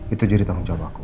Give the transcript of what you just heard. itu jadi tanggung jawab aku